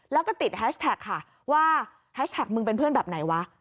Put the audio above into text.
แล้วก็ติดแฮชแท็กค่ะว่าแฮชแท็กมึงเป็นเพื่อนแบบไหนวะ